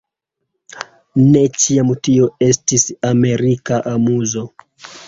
Ne ĉiam tio estis amerika amuzo.